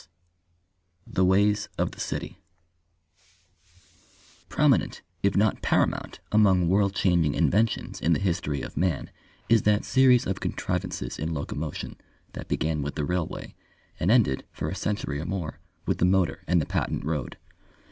III THE WAYS OF THE CITY Prominent if not paramount among world changing inventions in the history of man is that series of contrivances in locomotion that began with the railway and ended for a century or more with the motor and the patent road.